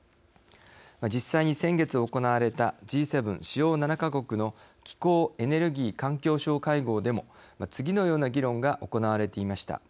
実際に先月行われたＧ７主要７か国の気候・エネルギー・環境相会合でも次のような議論が行われていました。